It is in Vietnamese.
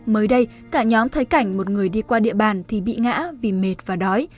mới đây cả nhóm thấy cảnh một người đi qua địa bàn thì bị ngã vì mệt và đói